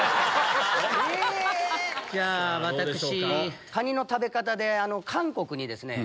私カニの食べ方で韓国にですね